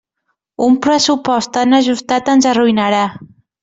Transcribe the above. Un pressupost tan ajustat ens arruïnarà.